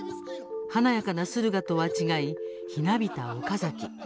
華やかな駿河とは違いひなびた岡崎。